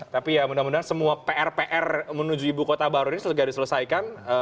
tapi ya mudah mudahan semua pr pr menuju ibu kota baru ini sudah diselesaikan